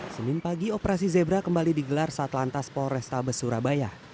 senin pagi operasi zebra kembali digelar saat lantas polrestabes surabaya